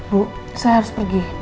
bu saya harus pergi